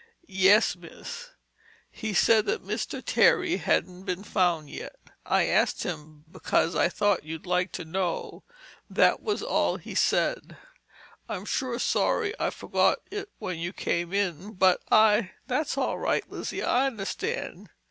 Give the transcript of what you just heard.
"Yes, miss. He said that Mister Terry hadn't been found yet. I asked him b'cause I thought you'd like to know. That was all he said. I'm sure sorry I forgot it when you came in, but I—" "That's all right, Lizzie, I understand.